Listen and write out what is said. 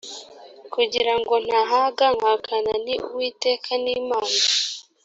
kugira ngo ndahaga nkaguhakana nti uwiteka ni imana